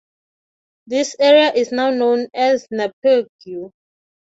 This area is now known as Napeague.